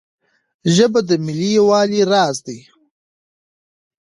ژبه د ملي یووالي راز دی.